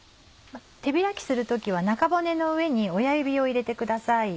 手開きする時は中骨の上に親指を入れてください。